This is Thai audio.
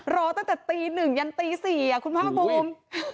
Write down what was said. รอตั้งแต่ตี๑ยันตี๔คุณพ่อคุม